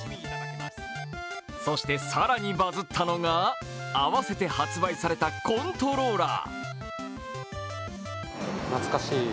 そして更にバズったのが、併せて発売されたコントローラー。